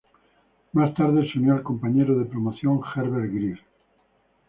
Más tarde se unió el compañero de promoción Herbert Grier.